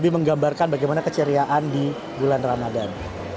lebih menggambarkan bagaimana keceriaan di bulan ramadan